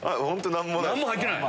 何も入ってない！